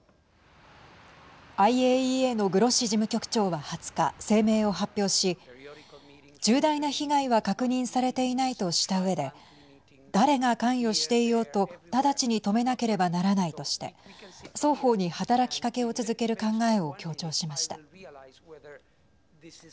ＩＡＥＡのグロッシ事務局長は２０日声明を発表し、重大な被害は確認されていないとしたうえで誰が関与していようと直ちに止めなければならないとして双方に働きかけを続ける考えを強調しました。